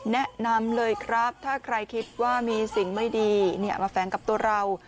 แนะนำเลยครับถ้าใครคิดว่ามีสิ่งไม่ดีมาแฝงกับตัวเรา